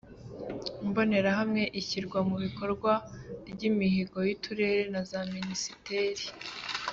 Imbonerahamwe Ishyirwa mu bikorwa ry Imihigo y Uturere na za Minisiteri